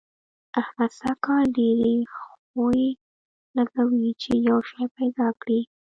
احمد سږ کال ډېرې خوې لګوي چي يو شی پيدا کړي.